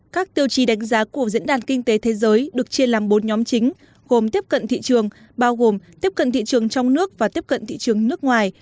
các tiêu chí đánh giá của diễn đàn kinh tế thế giới được chia làm bốn nhóm chính gồm tiếp cận thị trường bao gồm tiếp cận thị trường trong nước và tiếp cận thị trường nước ngoài